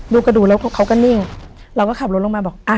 กระดูกแล้วเขาก็นิ่งเราก็ขับรถลงมาบอกอ่ะ